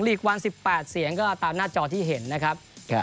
ลีกวัน๑๘เสียงก็ตามหน้าจอที่เห็นนะครับ